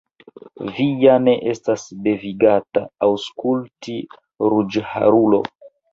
Vi ja ne estas devigata aŭskulti, ruĝharulo.